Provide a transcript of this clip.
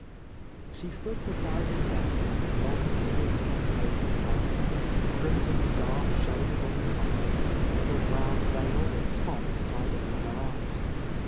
She stood beside his desk in her long sealskin coat and cap, a crimson scarf showing above the collar, a little brown veil with spots tied over her eyes.